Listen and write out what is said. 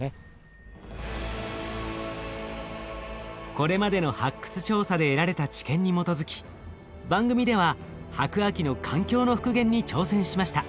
これまでの発掘調査で得られた知見に基づき番組では白亜紀の環境の復元に挑戦しました。